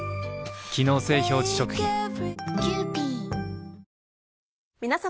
機能性表示食品皆様。